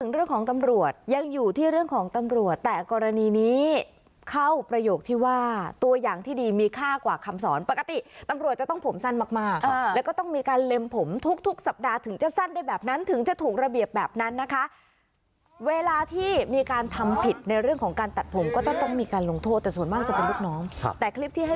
เรื่องของตำรวจยังอยู่ที่เรื่องของตำรวจแต่กรณีนี้เข้าประโยคที่ว่าตัวอย่างที่ดีมีค่ากว่าคำสอนปกติตำรวจจะต้องผมสั้นมากมากแล้วก็ต้องมีการเล็มผมทุกสัปดาห์ถึงจะสั้นได้แบบนั้นถึงจะถูกระเบียบแบบนั้นนะคะเวลาที่มีการทำผิดในเรื่องของการตัดผมก็ต้องต้องมีการลงโทษแต่ส่วนมากจะเป็นลูกน้องแต่คลิปที่ให้